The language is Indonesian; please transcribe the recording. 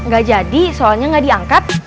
gak jadi soalnya nggak diangkat